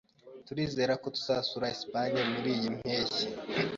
Turizera ko tuzasura Espagne muriyi mpeshyi.